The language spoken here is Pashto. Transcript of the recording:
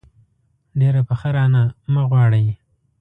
ډېره پخه رانه مه غواړئ.